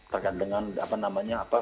terkait dengan apa namanya apa